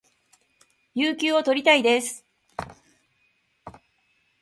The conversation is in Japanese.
有給を取りたいです